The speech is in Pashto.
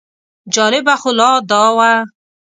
جالبه خو لا دا وه.